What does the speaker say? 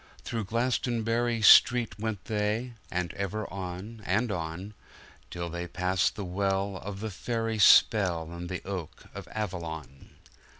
Through Glastonbury street went they; And ever on, and on, Till they pass the well of the fairy spell, And the oak of Avalon.